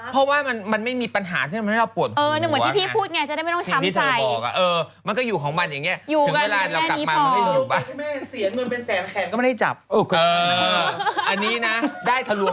เพราะว่ามันไม่มีปัญหาที่ทำให้เราปวดผู้หญิงหวัง